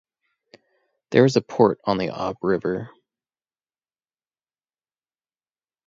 There is a port on the Ob River.